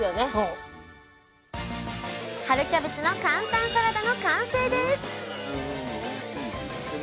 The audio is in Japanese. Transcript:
「春キャベツの簡単サラダ」の完成です！